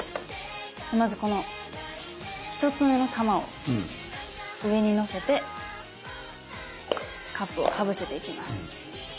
まずこの１つ目の玉を上にのせてカップをかぶせていきます。